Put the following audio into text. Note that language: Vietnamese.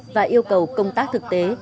và yêu cầu công tác thực tế